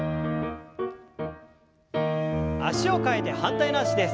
脚を替えて反対の脚です。